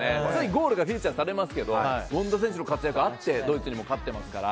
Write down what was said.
ゴールがフューチャーされますけど権田選手の活躍もあってドイツにも勝っていますから。